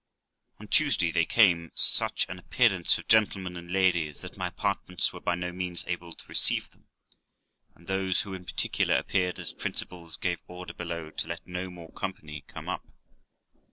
On Tuesday there came such an appearance of gentlemen and ladies, that my apartments were by no means able to receive them, and those who in particular appeared as principals gave order below to let no more company come up.